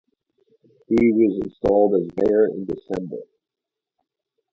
He was installed as mayor in December.